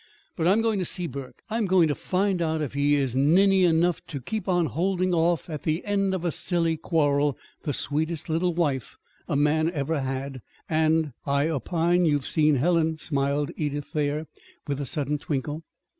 But I'm going to see Burke. I'm going to find out if he really is ninny enough to keep on holding off, at the end of a silly quarrel, the sweetest little wife a man ever had, and " "I opine you've seen Helen," smiled Edith Thayer, with a sudden twinkle.